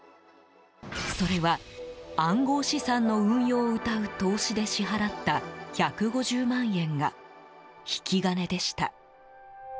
それは、暗号資産の運用をうたう投資で支払った１５０万円が引き金でした。